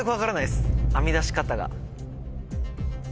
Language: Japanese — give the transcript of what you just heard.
編み出し方が。